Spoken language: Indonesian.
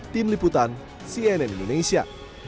tim liputan cnn indonesia